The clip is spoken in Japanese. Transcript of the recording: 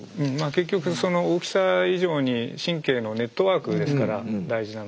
結局その大きさ以上に神経のネットワークですから大事なのは。